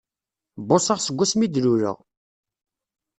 Buṣaɣ seg wasmi i d-luleɣ!